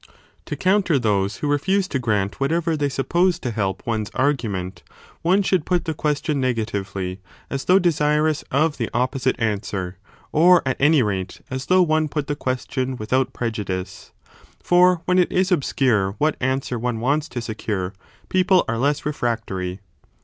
30 To counter those who refuse to grant whatever they suppose to help one s argument, one should put the question negatively, as though desirous of the opposite answer, or at any rate as though one put the question without prejudice ; for when it is obscure what answer one wants to secure, people are less refractory.